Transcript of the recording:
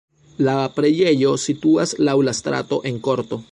La preĝejo situas laŭ la strato en korto.